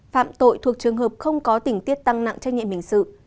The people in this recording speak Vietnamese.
phạm tội thuộc trường hợp không có tỉnh tiết tăng nặng trách nhiệm hình sự